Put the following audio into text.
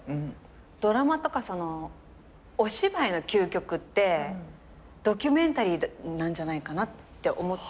ドラマとかお芝居の究極ってドキュメンタリーなんじゃないかなって思ったんです。